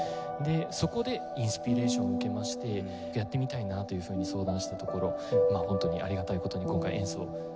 そこでインスピレーションを受けましてやってみたいなというふうに相談したところ本当にありがたい事に今回演奏できる事になりました。